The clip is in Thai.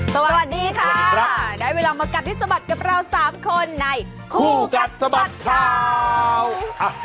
สวัสดีค่ะได้เวลามากัดให้สะบัดกับเรา๓คนในคู่กัดสะบัดข่าว